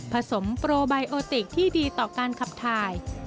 ผสมโปรไบโอติกที่ดีต่อการขับถ่าย